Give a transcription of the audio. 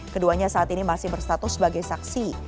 keduanya saat ini masih berstatus sebagai saksi